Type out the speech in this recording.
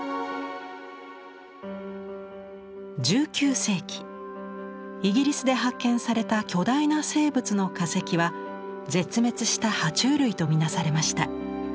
１９世紀イギリスで発見された巨大な生物の化石は絶滅した爬虫類と見なされました。